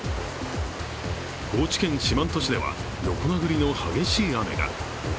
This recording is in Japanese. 高知県四万十市では横殴りの激しい雨が。